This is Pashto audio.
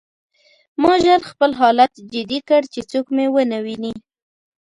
ما ژر خپل حالت جدي کړ چې څوک مې ونه ویني